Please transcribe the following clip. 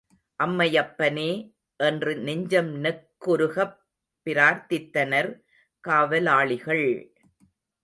அம்மையப்பனே என்று நெஞ்சம் நெக்குருகப் பிரார்த்தித்தனர் காவலாளிகள்!